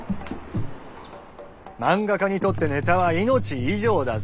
漫画家にとってネタは命以上だぞ。